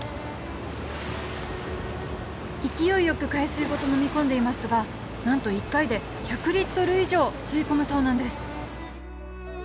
勢いよく海水ごと飲み込んでいますが何と１回で１００リットル以上吸い込むそうなんです。